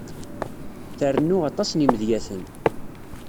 Trennu aṭas n yimedyaten.